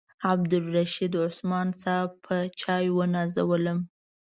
عبدالرشید عثمان صاحب په چایو ونازولم.